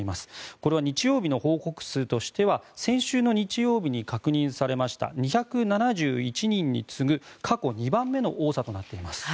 これは日曜日の報告数としては先週の日曜日に確認されました２７１人に次ぐ過去２番目の多さとなっています。